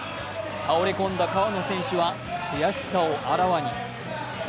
倒れ込んだ川野選手は悔しさをあらわに。